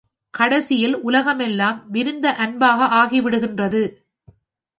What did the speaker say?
கடைசியில் உலகமெல்லாம் விரிந்த அன்பாக ஆகிவிடுகின்றது.